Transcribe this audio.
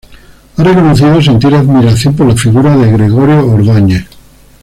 Ha reconocido sentir admiración por la figura de Gregorio Ordóñez.